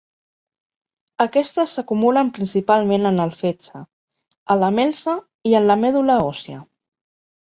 Aquestes s'acumulen principalment en el fetge, a la melsa i en la medul·la òssia.